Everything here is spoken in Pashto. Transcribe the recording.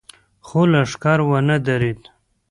خو لښکر ونه درېد.